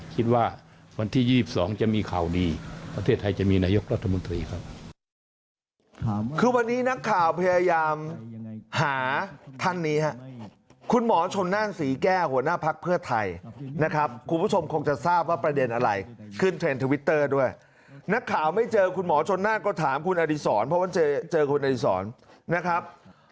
คิดว่าวันที่๒๒จะมีข่าวดีประเทศไทยจะมีนายกรัฐมนตรีครับ